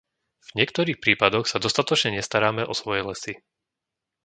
V niektorých prípadoch sa dostatočne nestaráme o svoje lesy.